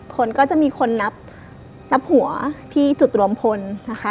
คนก็จะมีคนนับหัวที่จุดรวมพลนะคะ